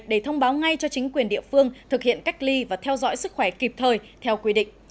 để thông báo ngay cho chính quyền địa phương thực hiện cách ly và theo dõi sức khỏe kịp thời theo quy định